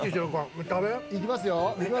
行きますよ。